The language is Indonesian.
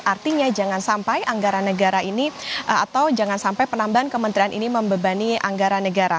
artinya jangan sampai anggaran negara ini atau jangan sampai penambahan kementerian ini membebani anggaran negara